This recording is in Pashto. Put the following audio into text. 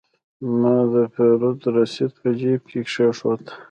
ما د پیرود رسید په جیب کې کېښود.